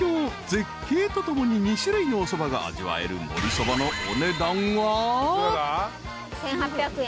［絶景とともに２種類のおそばが味わえるもりそばのお値段は］